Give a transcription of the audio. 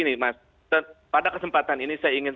ini pada kesempatan ini saya ingin